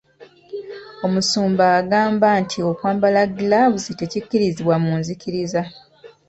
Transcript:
Omusumba agamba nti okwambala giraavuzi tekikkirizibwa mu nzikiriza.